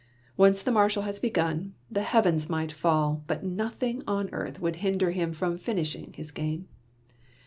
Once the Marshal has begun, the heavens might fall, but nothing on earth would hinder him from finishing his game.